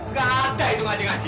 nggak ada itu ngaji ngaji